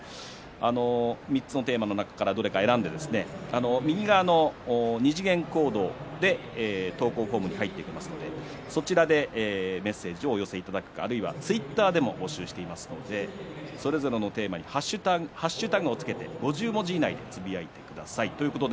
３つのテーマの中からどれか選んで右側の２次元コードで投稿フォームに入っていきますのでそちらでメッセージをお寄せいただくかツイッターでも募集していますのでそれぞれのテーマにハッシュタグをつけて５０文字以内でつぶやいてください。